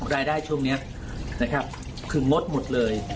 รายได้ช่วงนี้นะครับคืองดหมดเลย